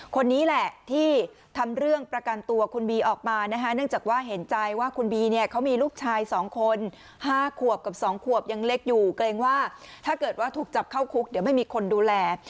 คนนี้แหละที่ทำเรื่องประกันตัวคุณบีออกมานะคะเนื่องจากว่าเห็นใจว่าคุณบีเนี่ยเขามีลูกชาย๒คน๕ขวบกับ๒ขวบยังเล็กอยู่เกรงว่าถ้าเกิดว่าถูกจับเข้าคุกเดี๋ยวไม่มีคนดูแล